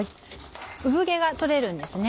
産毛が取れるんですね。